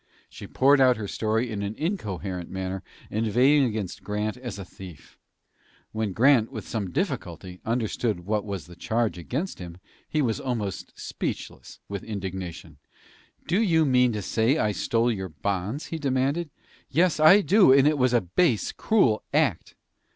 She poured out her story in an incoherent manner, inveighing against Grant as a thief. When Grant, with some difficulty, understood what was the charge against him, he was almost speechless with indignation. "Do you mean to say I stole your bonds?" he demanded. "Yes, I do; and it was a base, cruel act."